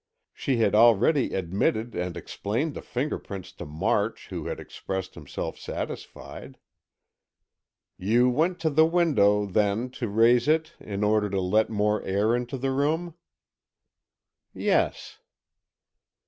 She had already admitted and explained the fingerprints to March, who had expressed himself satisfied. "You went to the window, then, to raise it in order to let more air into the room?" "Yes."